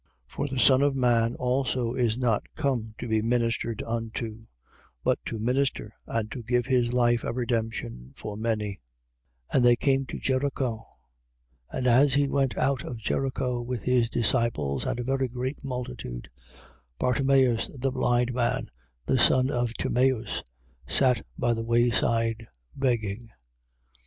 For the Son of man also is not come to be ministered unto: but to minister and to give his life a redemption for many. 10:46. And they came to Jericho. And as he went out of Jericho with his disciples and a very great multitude, Bartimeus the blind man, the son of Timeus, sat by the way side begging.